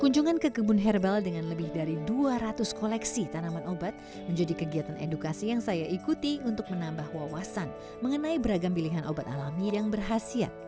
kunjungan ke kebun herbal dengan lebih dari dua ratus koleksi tanaman obat menjadi kegiatan edukasi yang saya ikuti untuk menambah wawasan mengenai beragam pilihan obat alami yang berhasil